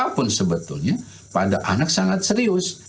apapun sebetulnya pada anak sangat serius